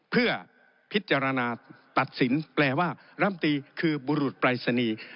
เพื่อพิจารณาตัดสินแปลว่าร่ำตีคือบุรุษปรายศนีย์